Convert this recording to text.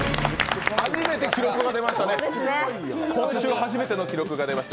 初めて記録が出ました。